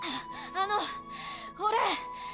あの俺。